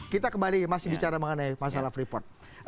kita kembali masih bicara mengenai masalah freeport